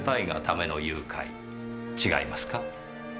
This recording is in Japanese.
違いますか？